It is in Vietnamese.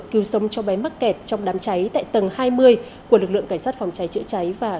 cứu sống cho bé mắc kẹt trong đám cháy tại tầng hai mươi của lực lượng cảnh sát phòng cháy chữa cháy và